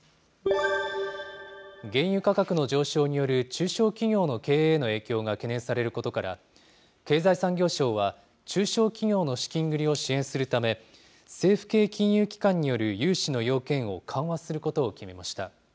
原油価格の上昇による中小企業の経営への影響が懸念されることから、経済産業省は、中小企業の資金繰りを支援するため、政府系金融機関による融資の要件を緩和することを決めました。